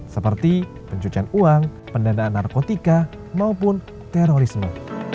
seperti pencucian uang pendanaan narkotika maupun terorisme